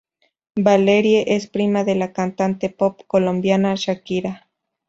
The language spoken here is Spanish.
Valerie es prima de la cantante pop colombiana Shakira.